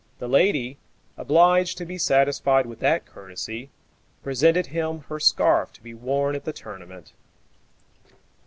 The lady, obliged to be satisfied with that courtesy, presented him her scarf to be worn at the tournament.